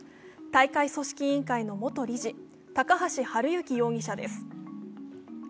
大会組織委員会の元理事高橋治之容疑者です。